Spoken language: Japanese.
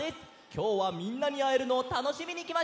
きょうはみんなにあえるのをたのしみにきました！